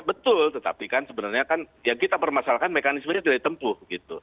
betul tetapi kan sebenarnya kan yang kita permasalahkan mekanisme dari tempuh